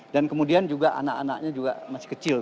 dan kemudian juga anak anaknya juga masih kecil